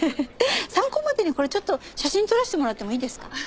参考までにこれちょっと写真撮らせてもらってもいいですか？